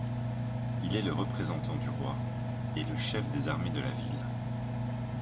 Il est le représentant du roi et le chef des armées de la ville.